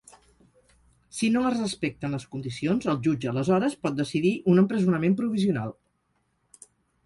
Si no es respecten les condicions, el jutge aleshores pot decidir un empresonament provisional.